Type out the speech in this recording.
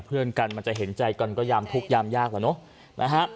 เพื่อนกันมันจะเห็นใจกันก็ยามพุกยามยากหรอเนาะ